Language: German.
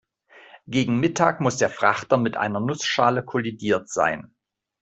Gegen Mittag muss der Frachter mit einer Nussschale kollidiert sein.